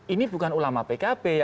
ini bukan ulama pkb